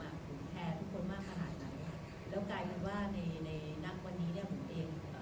ผมแท้ทุกคนมากขนาดไหนแล้วกลายเป็นว่าในนักวันนี้ผมเอง